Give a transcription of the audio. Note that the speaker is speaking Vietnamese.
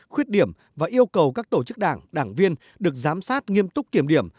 khuyết điểm và yêu cầu các tổ chức đảng đảng viên được giám sát nghiêm túc kiểm điểm